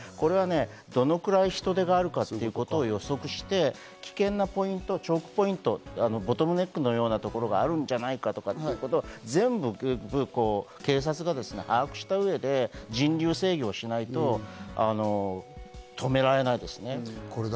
どのくらい人出があるかということを予測して、危険なポイント、重複ポイント、ボトムネックのようなところがあるんじゃないかとか、全部警察が把握した上で人流制御しないと止められないですね。